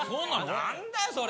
何だよそれ。